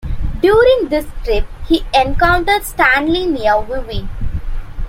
During this trip he encountered Stanley near Vivi.